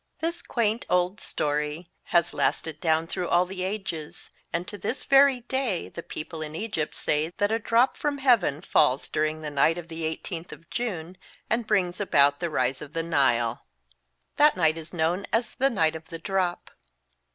This quaint old story has lasted down through all the ages, and to this very day the people in Egypt say that a drop from heaven falls during the night of the 18th of June and brings about the rise of the Nile. B 18 ANXIETY. That night is known as the " night of the drop."